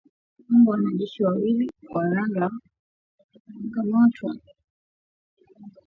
Kwamba wanajeshi wawili wa Rwanda wamekamatwa na jeshi la Jamhuri ya kidemokrasia ya Kongo katika makabiliano.